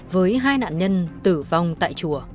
với hai nạn nhân tử vong tại chùa